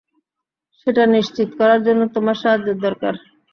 সেটা নিশ্চিত করার জন্য তোমার সাহায্যের দরকার।